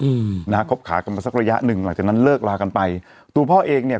อืมนะฮะคบขากันมาสักระยะหนึ่งหลังจากนั้นเลิกลากันไปตัวพ่อเองเนี้ย